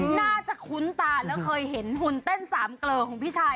น่าจะคุ้นตาเคยเห็นหุ่นเต้นสามเกลิ่าของพี่ชัย